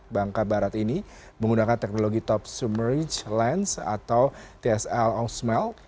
bangka barat ini menggunakan teknologi top sumerage lens atau tsl o smell